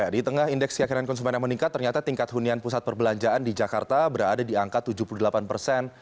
di tengah indeks keyakinan konsumen yang meningkat ternyata tingkat hunian pusat perbelanjaan di jakarta berada di angka tujuh puluh delapan persen